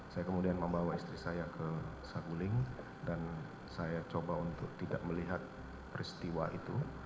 saya kemudian membawa istri saya ke saguling dan saya coba untuk tidak melihat peristiwa itu